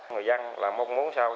người dân là mong muốn sao